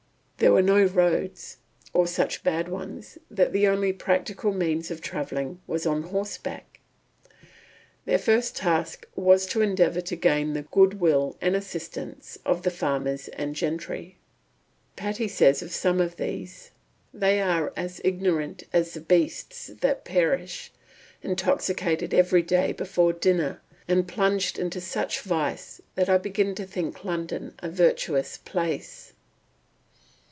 There were no roads, or such bad ones that the only practical means of travelling was on horseback. Their first task was to endeavour to gain the goodwill and assistance of the farmers and gentry. Patty says of some of these, "They are as ignorant as the beasts that perish; intoxicated every day before dinner, and plunged into such vice that I begin to think London a virtuous place."